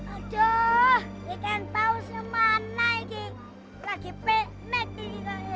aduh ikan pausnya mana ini lagi penek ini